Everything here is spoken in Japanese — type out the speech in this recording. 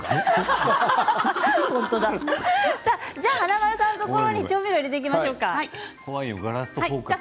華丸さんのところに調味料を入れておきましょうか。